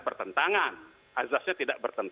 bertentangan azaznya tidak bertentangan